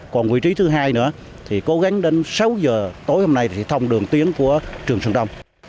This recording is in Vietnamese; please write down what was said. còn vị trí thứ hai nữa thì cố gắng đến sáu giờ tối hôm nay thì thông đường tuyến của trường sơn đông